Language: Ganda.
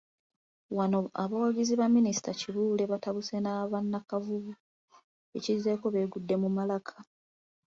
Wano abawagizi ba Minisita Kibuule batabuse n'aba Nakavubu ekizzeeko beegudde mu malaka.